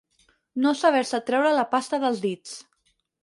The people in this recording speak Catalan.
No saber-se treure la pasta dels dits.